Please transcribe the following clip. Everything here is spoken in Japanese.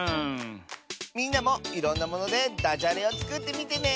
みんなもいろんなものでダジャレをつくってみてね。